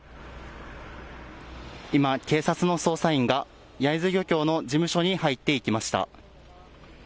今、警察の捜査員が焼津漁港の事務所に入っていきました。